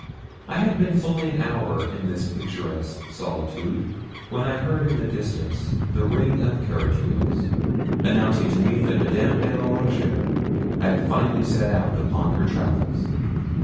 I had been fully an hour in this picturesque solitude when I heard in the distance the ring of carriage wheels, announcing to me that Madame de la Rougierre had fairly set out upon her travels.